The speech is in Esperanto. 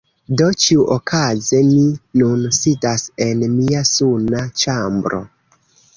Do ĉiuokaze mi nun sidas en mia suna ĉambro.